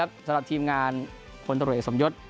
สำหรับทีมงานคนตรวจเอกสมยศ